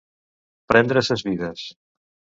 Prendre ses mides.